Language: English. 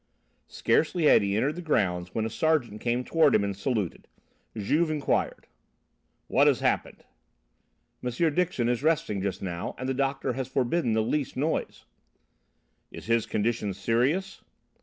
Scarcely had he entered the grounds when a sergeant came toward him and saluted. Juve inquired: "What has happened?" "M. Dixon is resting just now, and the doctor has forbidden the least noise." "Is his condition serious?"